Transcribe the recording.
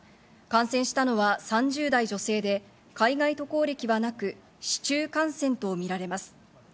感染したのは３０代女性で、海外渡航歴はなく、市中感染と見られます。